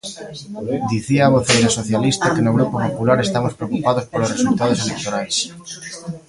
Dicía a voceira socialista que no Grupo Popular estamos preocupados polos resultados electorais.